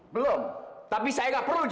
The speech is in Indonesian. belum tapi saya tidak perlu janji